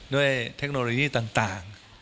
ด้วยเทคโนโลยีต่าง